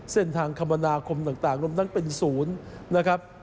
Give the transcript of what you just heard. เส้นทางคำนาคมต่างรวมทั้งเป็นศูนย์นะครับ